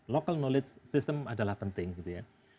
local knowledge system adalah penting gitu ya